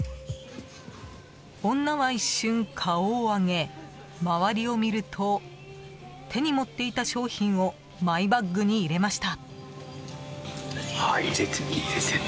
女は一瞬、顔を上げ周りを見ると手に持っていた商品をマイバッグに入れました。